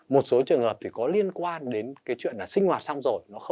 một số trường hợp thì có liên quan đến cái chuyện là sinh hoạt xong rồi